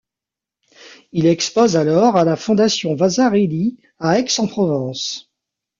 Il expose alors à la fondation Vasarely à Aix-en-Provence.